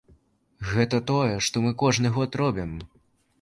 Гэта тое, што мы кожны год робім.